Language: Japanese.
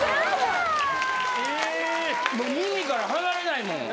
耳から離れないもん